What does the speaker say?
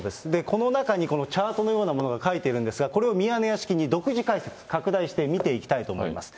この中にこのチャートのようなものが書いているんですが、これをミヤネ屋式に独自解説、拡大して見ていきたいと思います。